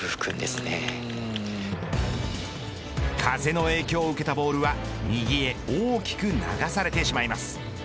風の影響を受けたボールは右へ大きく流されてしまいます。